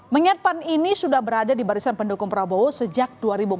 mengingat pan ini sudah berada di barisan pendukung prabowo sejak dua ribu empat belas